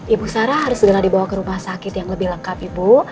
ibu sarah harus segera dibawa ke rumah sakit yang lebih lengkap ibu